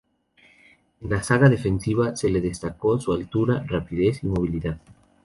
En la zaga defensiva se le destacó su altura, rapidez y movilidad.